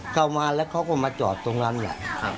เข้ามาแล้วเขาก็มาจอดตรงนั้นแหละ